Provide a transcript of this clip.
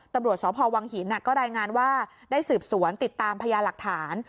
ตำรวจสพวังหินก็รายงานว่าได้สืบสวนติดตามพญาหลักฐาน